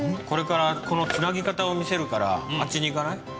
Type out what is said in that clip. これからこのつなぎ方を見せるからあっちに行かない？